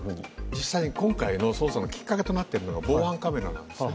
実際に今回の捜査のきっかけとなっているのが防犯カメラなんですね。